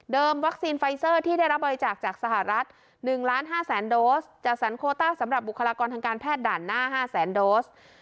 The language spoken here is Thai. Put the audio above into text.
วัคซีนไฟเซอร์ที่ได้รับบริจาคจากสหรัฐ๑ล้าน๕แสนโดสจัดสรรโคต้าสำหรับบุคลากรทางการแพทย์ด่านหน้า๕แสนโดส